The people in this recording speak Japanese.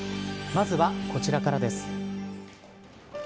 まずは、こちらからです。